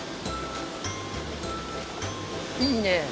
いいね。